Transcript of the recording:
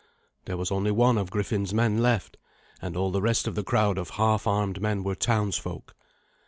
There was only one of Griffin's men left, and all the rest of the crowd of half armed men were townsfolk.